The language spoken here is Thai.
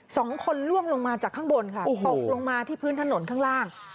สองคนล่วงลงมาจากข้างบนค่ะตกลงมาที่พื้นถนนข้างล่าง